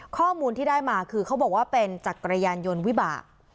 ข้อมูลที่ได้มาคือเขาบอกว่าเป็นจักรยานยนต์วิบะ